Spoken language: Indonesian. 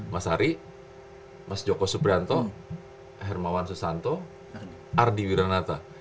mas ari mas joko subranto hermawan susanto ardi wiranata